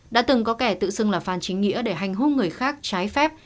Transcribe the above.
đã từng có kẻ tự xưng là phan chính nghĩa để hành hung người khác trái phép